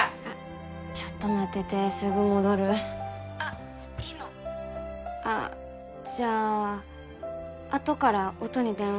ちょっと待っててすぐ戻る☎あっいいのあっじゃああとから音に電話